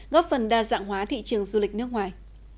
góp phần đa dạng hóa thị trường du lịch nước ngoài